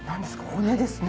骨ですね。